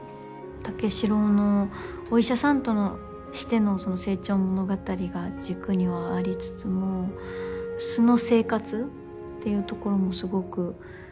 武四郎のお医者さんとしての成長物語が軸にはありつつも素の生活っていうところもすごく丁寧に描かれていて。